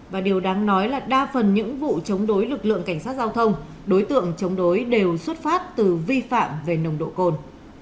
và điều đáng nói là đa phần những vụ chống đối lực lượng cảnh sát giao thông đối tượng chống đối đều xuất phát từ vi phạm về nồng độ cồn